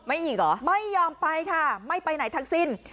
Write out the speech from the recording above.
ไม่ยอมไปค่ะไม่ไปไหนทั้งสิ้น